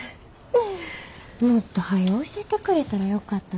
もっとはよ教えてくれたらよかったのに。